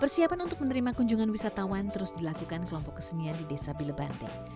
persiapan untuk menerima kunjungan wisatawan terus dilakukan kelompok kesenian di desa bilebante